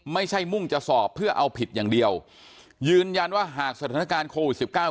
ไม่ใช่มุ่งจะสอบเพื่อเอาผิดอย่างเดียวยืนยันว่าหากสถานการณ์โควด๑๙